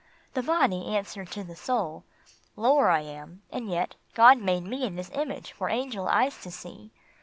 The Body answered to the Soul :" Lower I am, and yet God made me in his image for angel eyes to see.